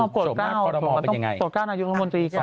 โกรธก้าวโกรธก้าวนางยุงกรมนตรีก่อนมา